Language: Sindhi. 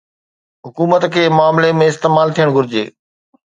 حڪومت کي معاملي ۾ استعمال ٿيڻ گهرجي